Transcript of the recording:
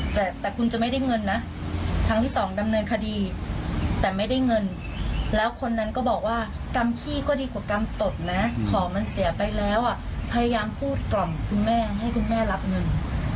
แต่แต่คุณจะไม่ได้เงินนะครั้งที่สองดำเนินคดีแต่ไม่ได้เงินแล้วคนนั้นก็บอกว่ากรรมขี้ก็ดีกว่ากรรมตดนะของมันเสียไปแล้วอ่ะพยายามพูดกล่อมคุณแม่ให้คุณแม่รับเงิน